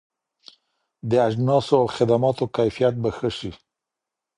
د اجناسو او خدماتو کيفيت به ښه سي.